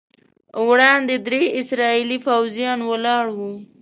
وړاندې درې اسرائیلي پوځیان ولاړ وو.